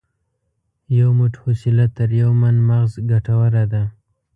یو موټ حوصله تر یو من مغز ګټوره ده.